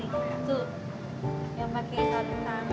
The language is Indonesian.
iya tapi cuma ini itu deh